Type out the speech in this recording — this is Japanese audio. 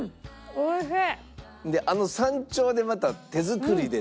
おいしい！